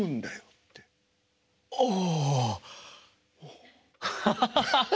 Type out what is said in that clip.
ああ。